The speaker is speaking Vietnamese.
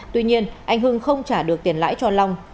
tuy nhiên anh hưng không trả được tiền lãi cho long